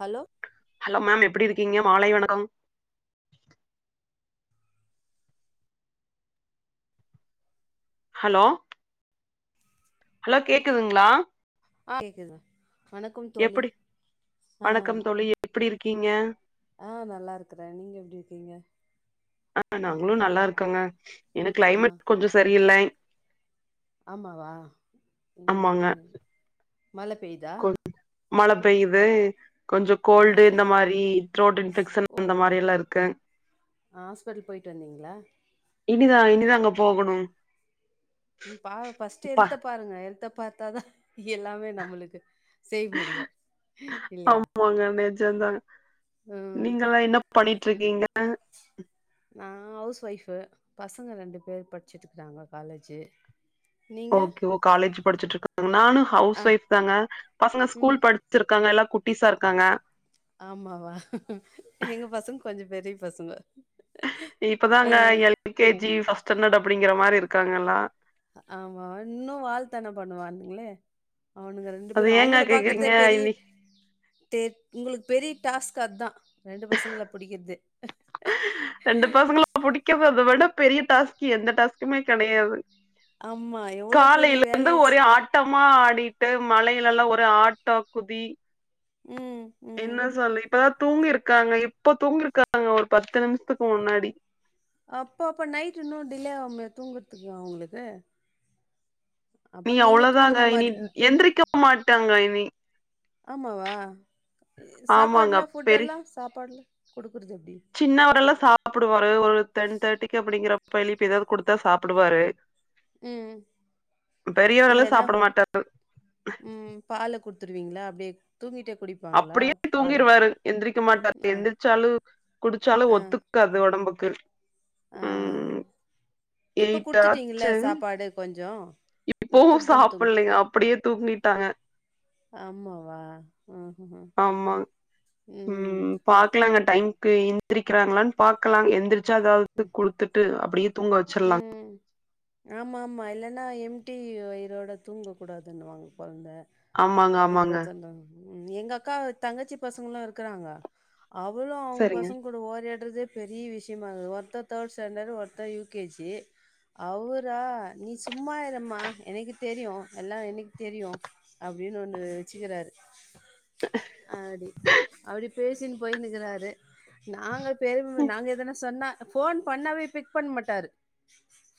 Hello ஹலே ma'am எப்டி இருக்கீங்க மாலை வணக்கம் ஹலோ ஹலோ கோக்குதுங்ளா அஆஹ கேக்குதுங் எப்டி ஆ வணக்கம் தோழி எப்டி இருக்கிங்க ஆஹ நல்ல இருக்குறே நீங்க எப்டி இருக்கிங்க ஆஹ நாங்களு நல்ல இருக்கங்க என்ன ஆ கிளைமேட் கொஞ்ச செரியில்ல ஆமாவா ஆமாங்க மழ பெய்தா கொ மழ பெய்து கொஞ்சோ ஆ கோல்டு இந்த மாறி த்ரோட் இன்ஃபெஷன் ஓ அந்த மாறி எல்லா இருக்கு ஹாஸ்பிட்டல் போயிட்டு வந்தீங்ளா இனிதா இனிதா அங்க போகணு ம் பார் ஃபஸ்ட்டு ப்பா ஹல்த் பாருங்க ஹல்த்த பாத்தா தா எல்லமே நம்மளுக்கு செய்ய முடியு இல்லையா ஆமாங்க நெஜந்தா ம் நீங்களா என்னப் பண்ணிட்ருக்கீங்ளா நா ஹவஸ் ஒய்ஃபு பசங்க இரண்டு பேரு பட்ச்சிட்ருக்குறாங்க காலேஜு நீங்க ஓகே ஓ காலேஜ் படிச்சுட்ருக்கும் போது நா ஆ ஹவ்ஸ் ஒய்ஃப் தாங்க பசங்க ம் ஸ்கூல் படிச் ச்சிருக்காங்க எல்லா குட்டிஸா இருக்காங்க ஆமாவா எங்க பசங்க கொஞ்ச பெரிய பசங்க அ இப்பாதங்க L K G first standard அப்டிங்குற மாரி இருக்காங்க எல்லா ஆமா இன்னு வால்தான பண்ணுவானுங்களே அவனுங்கள் ரெண்டு அது பேரு ஏங்க அவ்ங்கள கேக்குறீங்க பாக்கர்தே பெரிய இனி தேர் உங்களுக்கு பெரிய டாஸ்க் அதுதா ரெண்டு பசங்கள புடிக்கிறது ரெண்டு பசங்கள புடிக்கிறது அத விட பெரிய டாஸ்க்கு எந்த டாஸ்க்குமே கெடையாது ஆமா. எவ்வளோ பெரிய காலைலருந்து வேலைய ஸ் ஒரே ஆட் ட்டமா ஆடிட்டு மழையிலலா ஒரே ஆட்ட குதி ம் ம். என்ன சொல்ல இப்பதா தூங்கிருக்காங்க இப்ப தூங்கிருக்காங்க ஒரு பத்து நிம்ஷத்துக்கு முன்னாடி அப்பப்ப நைட்டு இன்னு டிலே ஆகுமே தூங்கற்த்துக்கு அவ்ங்களுக்கு னி தூங்குன அவ்ளோதாங்க இனி மாரி எந்திரிக்க மாட்டங்க இனி ஆமாவா ஆமாங்க சாப்பாட்லா பெரி ஃபுட்டெல்லா சாப்பாட்லா குடுக்குறது எப்டி சின்னவரெல்லா சாப்டுவாரு ஒரு டென் தேர்டிக்கு அப்டிங்குறப்ப எழுப்பி எதாவ்து குடுத்தா சாப்டுவாரு ம். பெரியவரெல்லா இல்லன்னா சாப்புட மாட்டாரு ம் பால குட்த்துருவீங்ளா அப்டியே தூங்கிட்டே குடிப் அப்டியே தூங்கிருவாரு எந்திரிக்க ஆ, மாட்டாரு எந்திரிச்சாலு குடிச்சாலு ஆ, ஒத்துக் காது ஒடம்புக்கு ஆ ம் இப்ப எயிட் குடுத்திட்டீங்கள ஆச்சு சாப்பாடு கொஞ்ச இப்பவு சாப்புட்லயா அப்டியே தூங்கிட்டாங்க ஆமாவா ஆ ஆ ஆமாங் ம் பாக்கலாங்க டைமுக்கு எந்திரிக்கிறாங்களான் பாக்கலா எந்திரிச் ச்சா எதாவ்து குடுத்துட்டு அப்டியேத் ம் ஆமாம்மா இல்லனா எம்டி வயிரோட தூங்கக்கூடாதுன்னுவாங்க கொழந்த ஆமாங்க ஆமாங்க ம் எங்கக்கா தங்கச்சி பசங்களு இருக்குறாங்க அவளு அவ்ங்க சரிங்க பசங்கக்கூட ஓரியாட்றதே பெரிய விஷ்யமாகுது ஒருத்த தேர்ட் ஸ்டாண்டர்டு ஒருத்த யு கே ஜி அவுரா நீ சும்மாயிரம்மா எனக்கு தெரியு எல்லா எனக்கு தெரியு அப்டின் ஒன்னு வெ வெச்சுகிறாரு அப்டி அப்டி பேசின் போய்னுக்குறாரு நாங்க பெரும் ம் நாங்க எதனா சொன்னா ஃபோன் பண்ணாவே பிக் பண்ண மாட்டாரு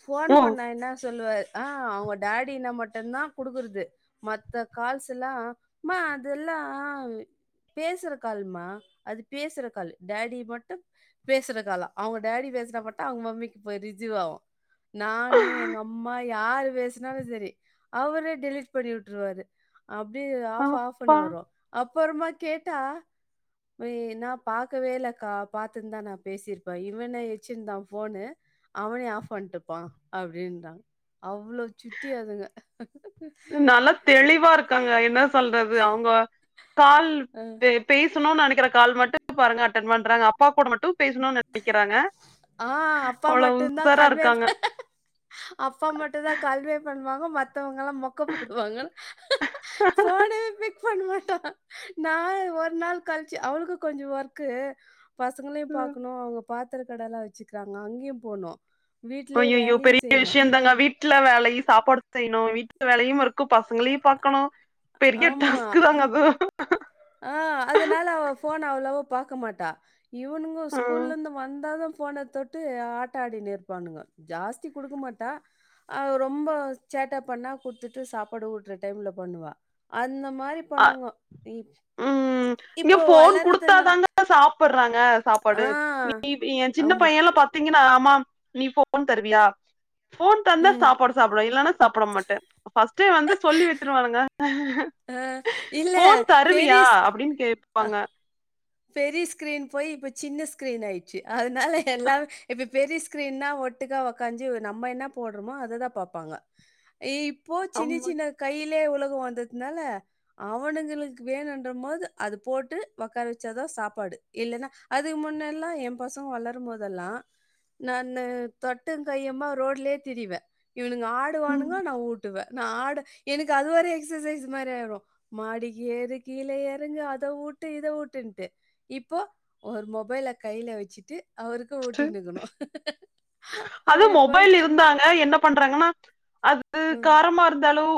ஃபோன் ஓ பண்ணா என்னா சொல்லுவாரு ஆ அவ்ங்க டாடின்னா மட்டுந்தா குடுக்குறது மத்த கால்ஸெல்லா மா அதெல்லா பேசுற கால்மா அது பேசுற கால் டேடி மட்டு பேசுறதுக்காலா அவுங்க டாடி பேசுனா மட்டு அவ்ங்க மம்மிக்கு போய் ரிஜிவாவு நானு எங்கம்மா ம் யாரு பேசுனாலு சேரி அவரே டிலிட் பண்ணி வுட்ருவாரு அப்டி ஆஃப் ஆஃப்ன்னு அப்பா வரும் அப்புறமா கேட்டா போயி நா பாக்கவே இல்லக்கா பாத்துருந்தா நா பேசிருப்ப இவனே வச்சிருந்தான் ஃபோனு அவனே ஆஃப் பண்ட்டுப்பான் அப்டின்றாங்க அவ்ளோ சுட்டி அதுங்க நல்லா தெளிவா இருக்காங்க என்ன சொல்றது அவுங்க கால் அ. பே பேசணு நெனைக்கிற கால் மட்டும் பாருங்க அட்டன் பண்றாங்க அப்பா ஃபோன மட்டும் பேசணு நெனைக்கிறாங்க ஆ அப்பா அவ்வளோ மட்டும் தான் உஷாரா கன்வே இருக்காங்க அப்பா மட்டுதான் கால்வே பண்ணுவாங்க மத் மத்தவங்கலாம் மொக்க போடுவாங்க ஃபோனவே பிக் பண்ண மாட்டான் நா ஒரு நாள் கழிச்சு அவளுக்கு கொஞ்சம் ஒர்க்கு பசங்களையும் பாக்கணும் அவுங்க பாத்திர கடலாம் வச்சுக்கிறாங்க அங்கியும் போனும் அய்யய்யோ பெரிய விஷயந்தாங்க வீட் ட்ல வேலையி சாப்பாடு செய்யுணும் வீட்ல வேலையு இருக்கும் பசங்களையும் பாக்கணும் பெரிய டாஸ்க்கு தாங்க அது அ அதனால அவ ஃபோன அவ்வளவா பாக்க மாட்டா இவனுங்கோ ம் ஸ்கூல்ல இருந்து வந்ததும் ஃபோன தொட் டு ஆட்ட ஆடினுருப்பானுங்க ஜாஸ்தி குடுக்க மாட்டா அ ரொம்ப சேட்டா பண்ணா குடுத்துட்டு சாப்பாடு ஊட்ற டைம்ல பண்ணுவா அந்த மாரி அ பண்ணுங்கோ ம் இங்க ஃபோன் குடுத்தாதாங்க சாப்புட்றாங்க சாப்பாடு ஆ நீ என் சின்ன ஆமா. பையன்லாம் பாத் த்தீங்கன்னா ஆமாம் நீ ஃபோன் தருவியா ஃபோன் தந்தா சாப்பாடு சாப்புடுவன் இல்லனா சாப்புட மாட்ட ஃபர்ஸ்டே வந்து சொல்லி வச்சுருவானுக அ இல்ல பெரிஸ்க் அப்டின்னு அ கேப்பாங்க பெரிய ஸ்கிரீன் போய் இப்ப சின்ன ஸ்க்ரீன் ஆயிட்ச்சு அதனால எல்லாமே இப்ப பெரிய ஸ்கிரீன்னா ஒட் ட்டுக்க ஒக்காஞ்சு நம்ம என்ன போட்றமோ அததான் பாப்பாங்க இப்போ சின்ன ஆமா சின்ன கையிலே உலகம் வந்ததுனால அவனுங்களுக்கு வேணுன்றம் போது அது போட்டு ஒக்கார வச் ச்சாதான் சாப்பாடு இல்லனா அதுக்கு முன்னெல்லா எம் பசங்க வளரும் போதெல்லா நானு தட்டுங்கையுமா ரோட்லே திரியிவேன் இவனுங்க ம் ஆடுவானுங்க நா ஊட் ட்டுவ நா ஆட எனக்கு அது ஒரு எக்சசைஸ் மாரி ஆயிரும் மாடிக்கு ஏறு கீழ ஏறங்கு அத ஊட்டு இத ஊட்டுன் ட்டு இப்போ ஒரு மொபைல கைல வச்சுட்டு அவருக்கு ஊட்டிணுக்கணும் அப்டி போயிச்சு அ என்ன பண்றாங்கன்னா அது ம் காரமா இருந்தாலும்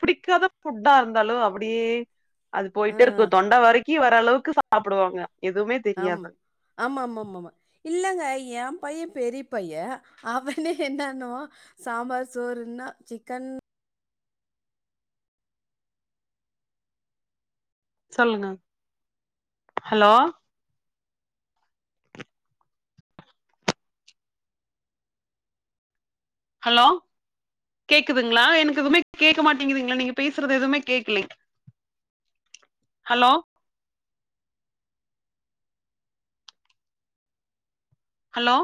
புடிக்காத ஃபுட்டா இருந்தாலு அப்டியே அது ஆ போய்ட்டே இருக்கு தொண்ட வரைக் கி வர அளவுக்கு சாப்டுவாங்க எதுவுமே ஆம் தெரியாது ஆமா ஆமா ஆமா ஆமா இல்லங்க ஏன் பைய பெரிய பைய அவனே என்னனுவா சாம்பார் சோறுனா சிக்கன் சொல்லுங்க ஹலோ ஹலோ கேக்குதுங்களா எனக்கு எதுமே கேக்க மாட்டிங்குதுங்களே நீங்க பேசுறது எதுமே கேக்கலே ஹலோ ஹலோ